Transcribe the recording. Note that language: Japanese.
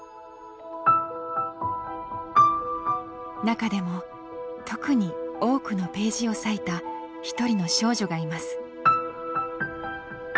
中でも特に多くのページを割いた一人の少女がいます。